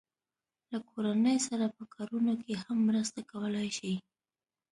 له کورنۍ سره په کارونو کې هم مرسته کولای شي.